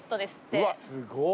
うわすごっ。